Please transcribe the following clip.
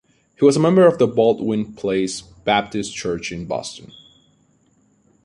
He was a member of the Baldwin Place Baptist Church in Boston.